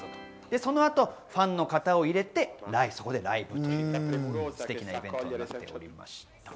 そのあとファンの方を入れて、そこでライブとステキなイベントになりました。